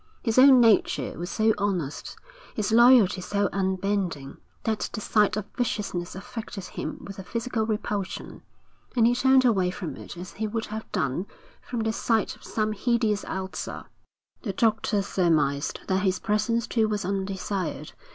His own nature was so honest, his loyalty so unbending, that the sight of viciousness affected him with a physical repulsion, and he turned away from it as he would have done from the sight of some hideous ulcer. The doctor surmised that his presence too was undesired.